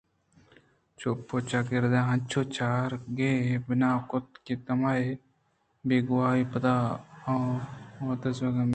چپ ءُچاگردءَ انچو چارگئے بنا کُت کہ دمانے ءِ بیگواہی ءَ پد آ دروازگ ہمدا اِنت